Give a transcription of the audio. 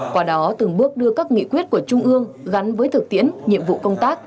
qua đó từng bước đưa các nghị quyết của trung ương gắn với thực tiễn nhiệm vụ công tác